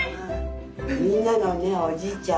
みんなのねおじいちゃん